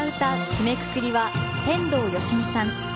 締めくくりは天童よしみさん。